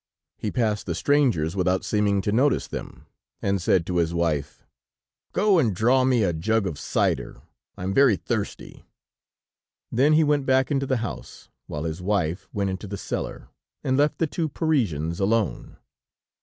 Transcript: He passed the strangers without seeming to notice them, and said to his wife: "Go and draw me a jug of cider; I am very thirsty." Then he went back into the house, while his wife went into the cellar, and left the two Parisians alone.